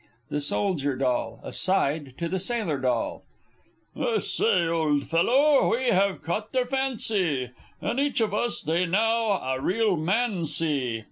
The Soldier Doll (aside to the Sailor D.). I say, old fellow, we have caught their fancy In each of us they now a real man see!